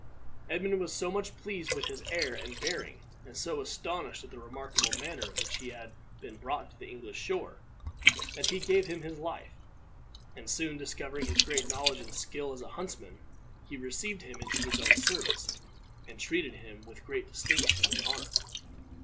Edmund was so much pleased with his air and bearing, and so astonished at the remarkable manner in which he had been brought to the English shore, that he gave him his life; and soon discovering his great knowledge and skill as a huntsman, he received him into his own service, and treated him with great distinction and honor.